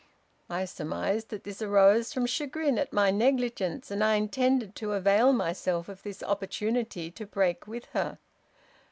I surmised that this arose from chagrin at my negligence, and I intended to avail myself of this opportunity to break with her.